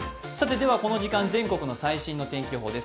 この時間、全国の最新の天気予報です。